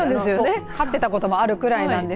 飼ってたこともあるくらいなんですよ。